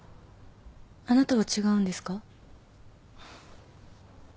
あなたは違うんですか？